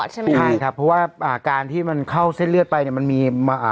ใช่ครับเพราะว่าการที่มันเข้าเส้นเลือดไปเนี่ยมันมี